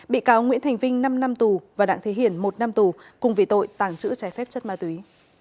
bị cáo nguyễn thành vinh năm năm tù và đặng thế hiển một năm tù cùng vì tội tàng trữ trái phép chất ma túy